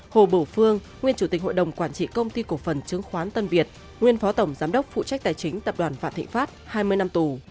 hồ bồ phương nguyên chủ tịch hội đồng quản trị công ty cổ phần chứng khoán tân việt nguyên phó tổng giám đốc phụ trách tài chính tập đoàn vạn thịnh pháp hai mươi năm tù